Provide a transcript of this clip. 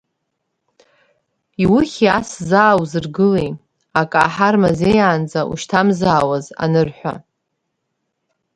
Иухьи, ас заа узыргылеи, ак ааҳармазеиаанӡа ушьҭамзаауаз анырҳәа…